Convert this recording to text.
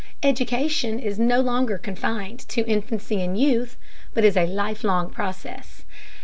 Education is no longer confined to infancy and youth, but is a life long process.